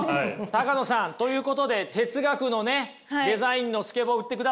高野さんということで哲学のねデザインのスケボー売ってください。